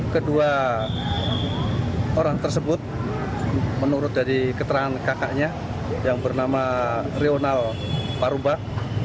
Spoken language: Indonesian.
kedua orang tersebut menurut dari keterangan kakaknya yang bernama rional parubah